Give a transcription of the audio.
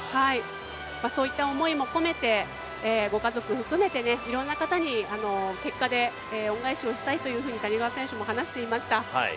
そういった思いも込めてご家族を含めていろんな方に、結果で恩返しをしたいというふうに谷川選手も話していました。